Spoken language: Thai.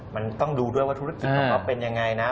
มันต้องดูด้วยว่าธุรกิจของเขาเป็นยังไงนะ